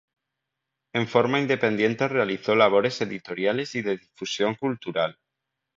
En forma independiente realizó labores editoriales y de difusión cultural.